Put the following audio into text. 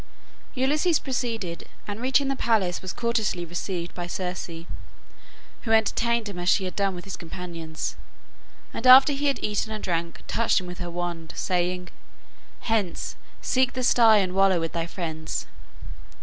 Ulysses proceeded, and reaching the palace was courteously received by Circe, who entertained him as she had done his companions, and after he had eaten and drank, touched him with her wand, saying, "Hence, seek the sty and wallow with thy friends."